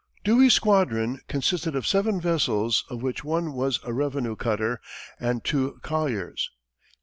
[Illustration: DEWEY] Dewey's squadron consisted of seven vessels, of which one was a revenue cutter, and two colliers.